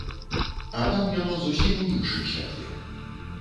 А там яно зусім у іншым святле.